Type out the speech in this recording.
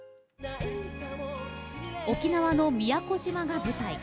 沖縄の宮古島が舞台。